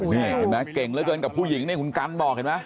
นี่เห็นไหมเก่งเหลือเกินกับผู้หญิงนี่คุณกันบอกเห็นไหม